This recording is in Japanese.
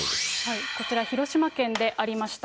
こちら、広島県でありました。